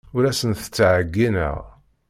Ur asent-ttɛeyyineɣ.